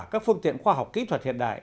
các phương tiện khoa học kỹ thuật hiện đại